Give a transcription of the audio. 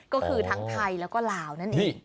ก็คือทั้งไทยแล้วก็ลาวนั่นเอง